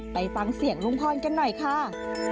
ไปฟังเสียงลุงพรกันหน่อยค่ะ